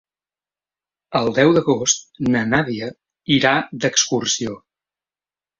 El deu d'agost na Nàdia irà d'excursió.